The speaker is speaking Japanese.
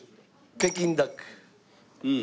北京ダック。